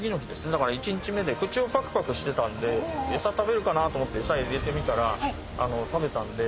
だから１日目で口をパクパクしてたんでえさ食べるかなと思ってえさ入れてみたら食べたんで。